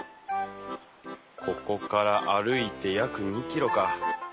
ここから歩いて約２キロか。